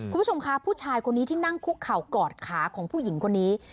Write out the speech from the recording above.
คุณผู้ชมคะผู้ชายคนนี้ที่นั่งคุกเข่ากอดขาของผู้หญิงคนนี้